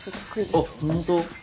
あっ本当？